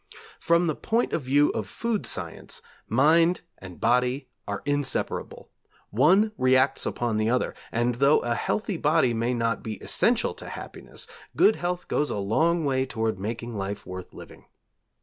From the point of view of food science, mind and body are inseparable; one reacts upon the other; and though a healthy body may not be essential to happiness, good health goes a long way towards making life worth living.